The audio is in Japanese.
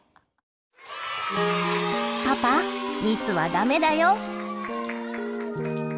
パパ密はダメだよ。